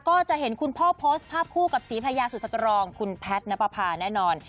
ก็จะเห็นคุณพ่อโพสต์ภาพคู่กับศรีภรรยาสุดสตรองคุณแพทย์นับประพาแน่นอน